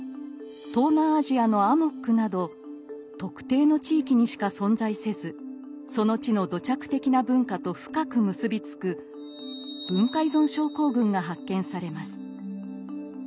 東南アジアの「アモック」など特定の地域にしか存在せずその地の土着的な文化と深く結び付く「文化依存症候群」が発見されます。